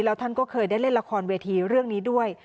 แล้วท่านก็เคยได้เล่นละครเวทีเรื่องนี้ด้วย